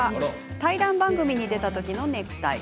対談番組に出た時のネクタイ。